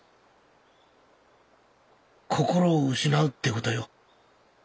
心を失うって事はよ